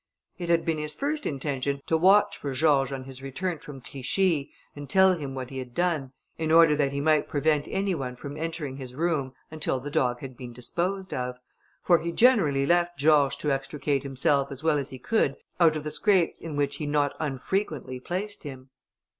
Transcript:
It had been his first intention to watch for George on his return from Clichi, and tell him what he had done, in order that he might prevent any one from entering his room until the dog had been disposed of; for he generally left George to extricate himself, as well as he could, out of the scrapes in which he not unfrequently placed him.